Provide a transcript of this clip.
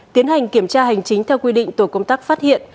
tiến hành kiểm tra hành chính theo quy định tổ công tác phát hiện